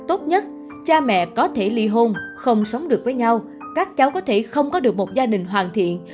tốt nhất cha mẹ có thể ly hôn không sống được với nhau các cháu có thể không có được một gia đình hoàn thiện